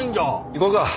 行こうか。